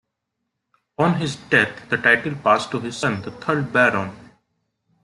On his death, the title passed to his son, the third Baron.